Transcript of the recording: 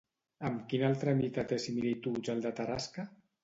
Amb quin altre mite té similituds el de la Tarasca?